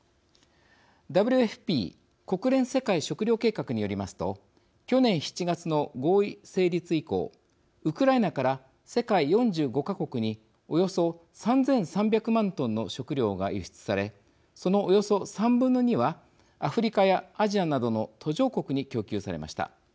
ＷＦＰ国連世界食糧計画によりますと去年７月の合意成立以降ウクライナから世界４５か国におよそ３，３００万トンの食料が輸出されそのおよそ３分の２はアフリカやアジアなどの途上国に供給されました。